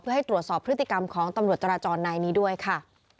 ให้ตรวจสอบพฤติกรรมของตำรวจจราจรนายนี้ด้วยค่ะ